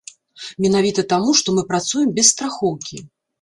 Менавіта таму, што мы працуем без страхоўкі.